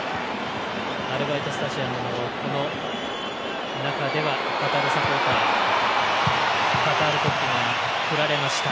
アルバイトスタジアムのこの中ではカタールサポーターカタールの国旗が振られました。